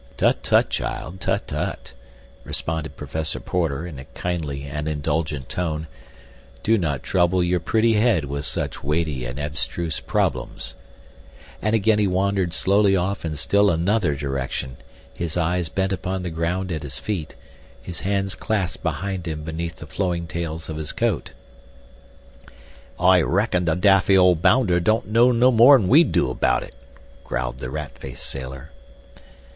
"Tut, tut, child; tut, tut," responded Professor Porter, in a kindly and indulgent tone, "do not trouble your pretty head with such weighty and abstruse problems," and again he wandered slowly off in still another direction, his eyes bent upon the ground at his feet, his hands clasped behind him beneath the flowing tails of his coat. "I reckon the daffy old bounder don't know no more'n we do about it," growled the rat faced sailor.